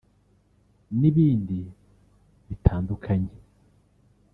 n’ibindi bitandukanye